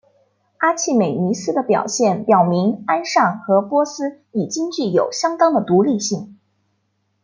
阿契美尼斯的表现表明安善和波斯已经具有相当的独立性。